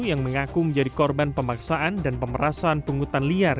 yang mengaku menjadi korban pemaksaan dan pemerasan penghutan liar